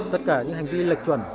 tất cả những hành vi lệch chuẩn